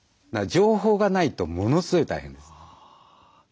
情報がないとものすごい大変です。